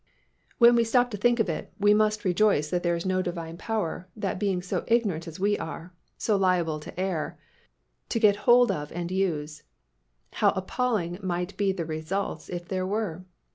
When we stop to think of it, we must rejoice that there is no Divine power that beings so ignorant as we are, so liable to err, to get hold of and use. How appalling might be the results if there were.